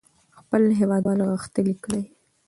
خپل هېوادوال غښتلي کړئ.